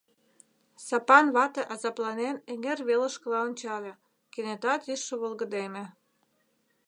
Сапан вате азапланен эҥер велышкыла ончале, кенета тӱсшӧ волгыдеме.